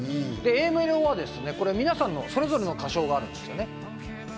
Ａメロは皆さん、それぞれの箇所があるんですね。